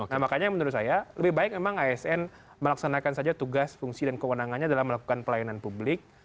nah makanya menurut saya lebih baik memang asn melaksanakan saja tugas fungsi dan kewenangannya dalam melakukan pelayanan publik